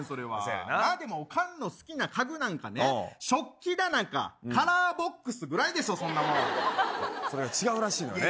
でも、おかんの好きな家具なんかね、食器棚かカラーボックスぐらいでそれが違うらしいのよね。